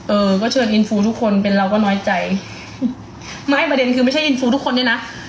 เออก็เชิญอินฟูทุกคนเป็นเราก็น้อยใจไม่ประเด็นคือไม่ใช่อินฟูทุกคนเนี่ยนะ